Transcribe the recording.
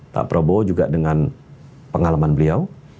pak prabowo juga dengan pengalaman beliau